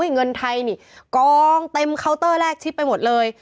เงินไทยนี่กองเต็มเคาน์เตอร์แรกชิดไปหมดเลย